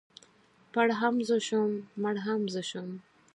پړ هم زه شوم مړ هم زه شوم.